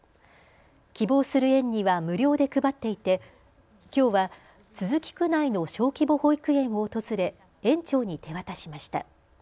希望する園には無料で配っていてきょうは都筑区内の小規模保育園を訪れ園長に手渡しました。